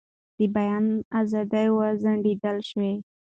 د بیان ازادي وځنډول شوه.